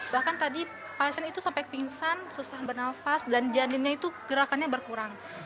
bahkan tadi pasien itu sampai pingsan susah bernafas dan janinnya itu gerakannya berkurang